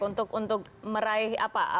untuk meraih apa